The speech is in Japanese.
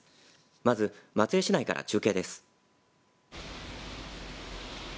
まず、松江市内から中継です。